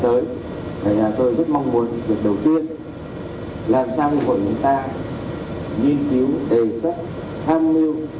với các hoạt động trong thời gian tới tôi rất mong muốn việc đầu tiên là làm sao hiệp hội chúng ta nghiên cứu đề xuất tham mưu